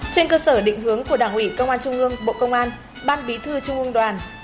trên cơ sở định hướng của đảng ủy công an trung ương bộ công an ban bí thư trung ương đoàn